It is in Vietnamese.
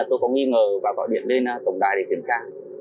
tôi có nghi ngờ và gọi điện lên tổng đài để kiểm tra